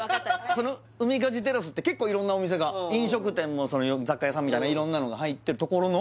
そのウミカジテラスって結構色んなお店が飲食店もその雑貨屋さんみたいな色んなのが入ってるところの？